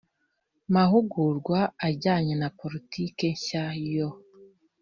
mahugurwa ajyanye na politiki nshya yo